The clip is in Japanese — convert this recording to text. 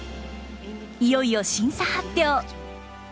いよいよ審査発表。